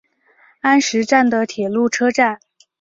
安食站的铁路车站。